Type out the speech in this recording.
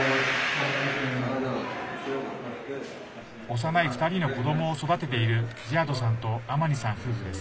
幼い２人の子どもを育てているズィアドさんとアマニさん夫婦です。